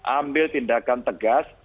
ambil tindakan tegas